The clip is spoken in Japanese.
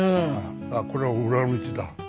これは裏の道だ。